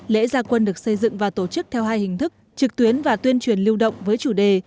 lễ gia quân được xây dựng và tổ chức theo hai hình thức trực tuyến và tuyên truyền lưu động với chủ đề